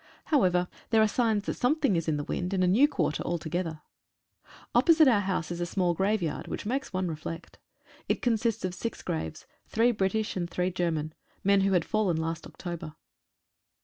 However, there are signs that something is in the wind in a new quarter altogether. Opposite our 93 AN INCIDENT AND A CHANGE. house is a small graveyard, which makes one reflect. It consists of six graves — three British and three German — men who had fallen last October.